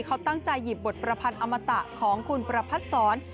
เขาตั้งใจหยิบบทประพันธ์อมตะของคุณประพัทธ์ศร